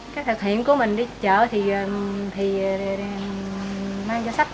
các thợ thiện của mình đi chợ thì mang cho sách